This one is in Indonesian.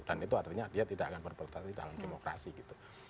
dan itu artinya dia tidak akan berpercaya dalam demokrasi gitu